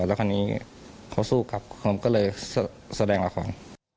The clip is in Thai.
แล้วคราวนี้เขาสู้ครับผมก็เลยแสดงละคร